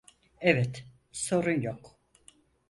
Evet, sorun yok.